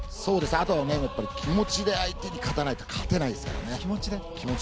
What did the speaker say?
あとは気持ちで相手に勝たないと勝てないですからね。